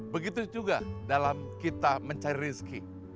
begitu juga dalam kita mencari rezeki